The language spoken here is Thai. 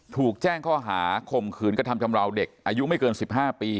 ถูกแจ้งข้อหาคมขืนกระทำชำราวเด็กอายุไม่เกิน๑๕ปี